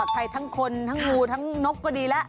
ปลอดภัยทั้งคนทั้งงูทั้งนกก็ดีแล้ว